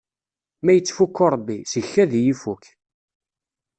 Ma ittfukku Ṛebbi, seg-k ad yi-ifukk!